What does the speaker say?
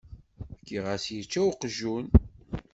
Fkiɣ-as yečča uqjun.